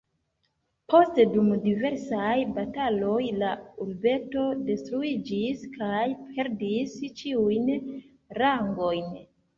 Poste dum diversaj bataloj la urbeto detruiĝis kaj perdis ĉiujn rangojn.